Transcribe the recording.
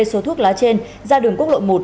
số thuốc lá trên ra đường quốc lộ một